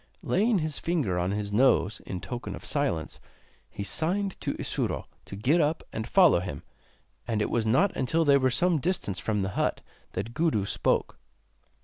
Laying his finger on his nose, in token of silence, he signed to Isuro to get up and follow him, and it was not until they were some distance from the hut that Gudu spoke.